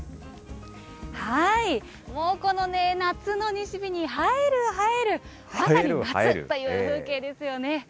もうこの夏の西日に映える映える、まさに夏という風景ですよね。